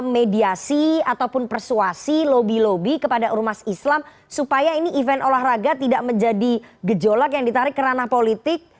mediasi ataupun persuasi lobby lobby kepada urmas islam supaya ini event olahraga tidak menjadi gejolak yang ditarik ke ranah politik